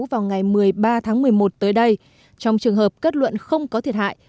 vào ngày một mươi ba tháng một mươi một tới đây trong trường hợp kết luận không có thiệt hại